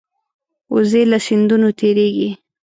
وزې له سیندونو تېرېږي